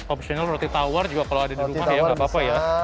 optional roti tawar juga kalau ada di rumah ya nggak apa apa ya